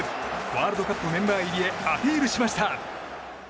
ワールドカップメンバー入りへアピールしました。